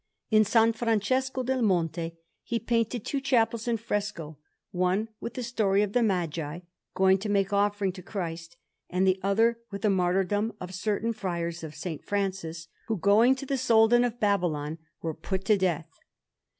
In S. Francesco del Monte he painted two chapels in fresco, one with the story of the Magi going to make offering to Christ, and the other with the martyrdom of certain friars of S. Francis, who, going to the Soldan of Babylon, were put to death.